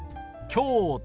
京都。